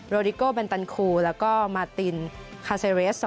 ริโกเบนตันคูแล้วก็มาตินคาเซเรส